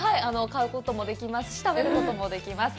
買うこともできるし、食べることもできます。